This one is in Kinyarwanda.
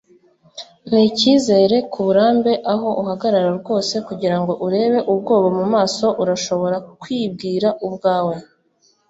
nicyizere kuburambe aho uhagarara rwose kugirango urebe ubwoba mumaso urashobora kwibwira ubwawe